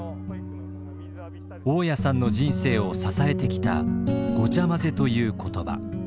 雄谷さんの人生を支えてきた「ごちゃまぜ」という言葉。